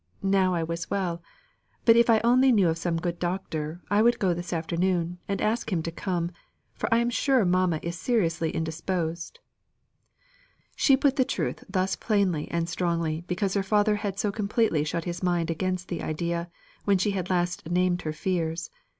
Now I was well. But if I only knew of some good doctor, I would go this afternoon, and ask him to come, for I am sure mamma is seriously indisposed." She put the truth thus plainly and strongly because her father had so completely shut his mind against the idea, when she had last named her fears.